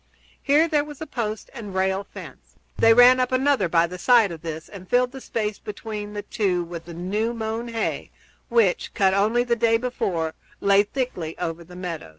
Here there was a post and rail fence. They ran up another by the side of this and filled the space between the two with the new mown hay, which, cut only the day before, lay thickly over the meadows.